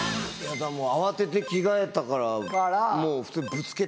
慌てて着替えたからもう普通に。